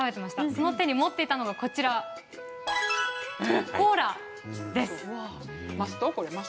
その手に持っていたのがコーラです。